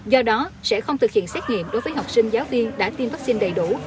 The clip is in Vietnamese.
do đó sẽ không thực hiện xét nghiệm đối với học sinh giáo viên đã tiêm vaccine đầy đủ